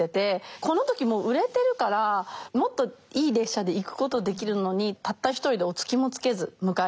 この時もう売れてるからもっといい列車で行くことできるのにたった一人でお付きもつけず向かいます。